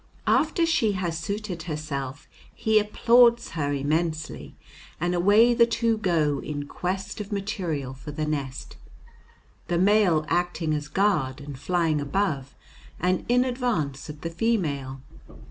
After she has suited herself he applauds her immensely, and away the two go in quest of material for the nest, the male acting as guard and flying above and in advance of the female.